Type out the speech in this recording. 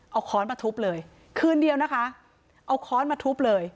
เอาค้อนมาทุบเลยคืนเดียวนะคะเอาค้อนมาทุบเลย